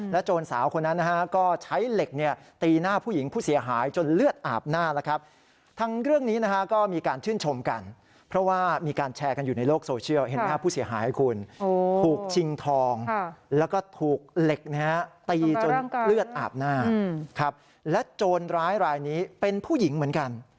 และโจรร้ายรายนี้เป็นผู้หญิงเหมือนกัน